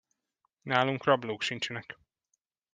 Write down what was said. Nálunk rablók sincsenek.